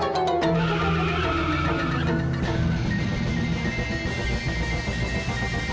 nih lu ngerti gak